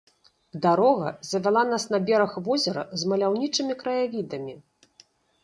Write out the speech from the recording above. Дарога завяла нас на бераг возера з маляўнічымі краявідамі.